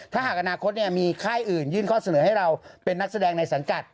ถ้าหากอนาคตมีค่ายอื่นยื่นข้อเสนอให้เราเป็นนักแสดงในสังกัด